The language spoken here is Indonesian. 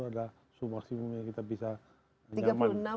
ada suhu maksimumnya kita bisa nyaman